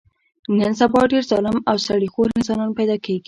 نن سبا ډېر ظالم او سړي خور انسانان پیدا کېږي.